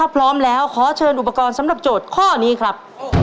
พร้อมแล้วขอเชิญอุปกรณ์สำหรับโจทย์ข้อนี้ครับ